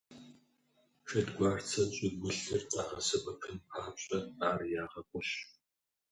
Шэдгуарцэ щӀыгулъыр къагъэсэбэпын папщӀэ, ар ягъэгъущ.